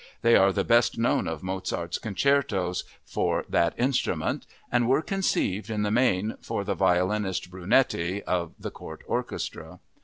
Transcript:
They are the best known of Mozart's concertos for that instrument and were conceived, in the main, for the violinist Brunetti of the court orchestra.